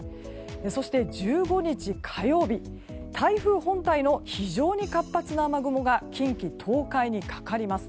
そして、１５日火曜日台風本体の非常に活発な雨雲が近畿・東海にかかります。